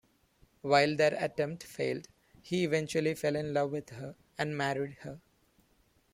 While that attempt failed, he eventually fell in love with her and married her.